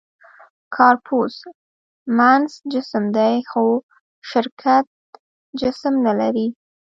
«کارپوس» معنس جسم دی؛ خو شرکت جسم نهلري.